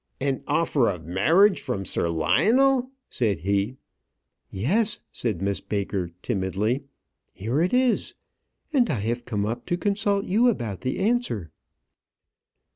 "An offer of marriage from Sir Lionel!" said he. "Yes," said Miss Baker, timidly. "Here it is; and I have come up to consult you about the answer."